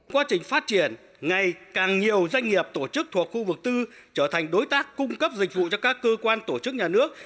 quá trình phát triển ngày càng nhiều doanh nghiệp tổ chức thuộc khu vực tư trở thành đối tác cung cấp dịch vụ cho các cơ quan tổ chức nhà nước